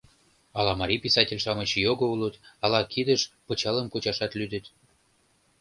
Ала марий писатель-шамыч його улыт, ала кидыш пычалым кучашат лӱдыт.